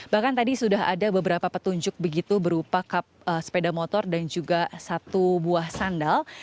bahkan tadi sudah ada beberapa petunjuk begitu berupa kap sepeda motor dan juga satu buah sandal